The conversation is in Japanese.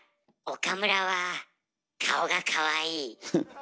岡村は顔がかわいい。